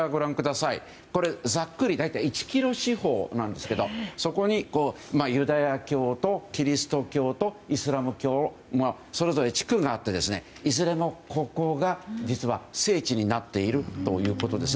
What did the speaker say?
ざっくり１ｋｍ四方なんですけどそこにユダヤ教とキリスト教とイスラム教のそれぞれ地区があっていずれも、ここが実は聖地になっているということです。